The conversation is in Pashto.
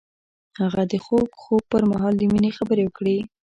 هغه د خوږ خوب پر مهال د مینې خبرې وکړې.